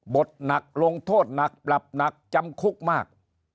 หนักลงโทษหนักปรับหนักจำคุกมาก